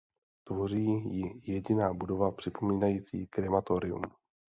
Tvoří jí jediná budova připomínající krematorium.